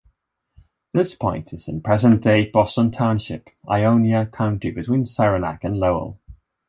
This point is in present-day Boston Township, Ionia County between Saranac and Lowell.